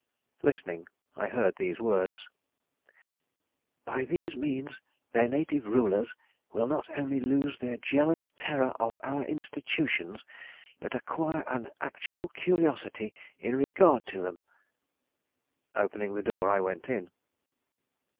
Listening, I heard these words: "By these means their native rulers will not only lose their jealous terror of our institutions, but acquire an actual curiosity in regard to them." Opening the door I went in.